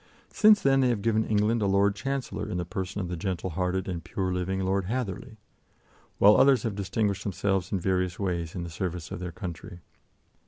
Since then they have given England a Lord Chancellor in the person of the gentle hearted and pure living Lord Hatherley, while others have distinguished themselves in various ways in the service of their country.